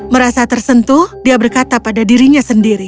merasa tersentuh dia berkata pada dia